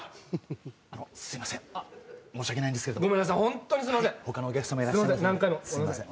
あのすいません申し訳ないんですけどごめんなさいホントにすいません他のお客様いらっしゃるんですいません何回もすいません